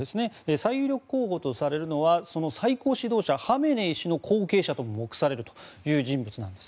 最有力候補とされるのがその最高指導者ハメネイ師の後継者とも目されるという人物なんです。